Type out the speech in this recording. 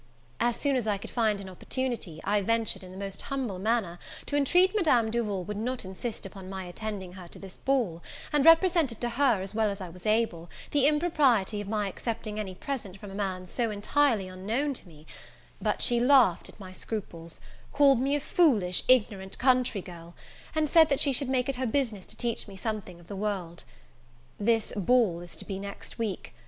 As soon as I could find an opportunity, I ventured, in the most humble manner, to intreat Madame Duval would not insist upon my attending her to this ball; and represented to her, as well as I was able, the impropriety of my accepting any present from a man so entirely unknown to me: but she laughed at my scruples; called me a foolish, ignorant country girl; and said she should make it her business to teach me something of the world. This ball is to be next week.